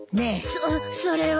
そっそれは。